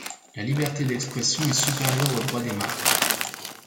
La liberté d'expression est supérieure au droit des marques.